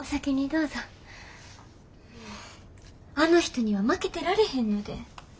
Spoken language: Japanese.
もうあの人には負けてられへんので。